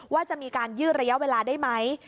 ว่าจะมีการยืดระยะเวลาได้ไหม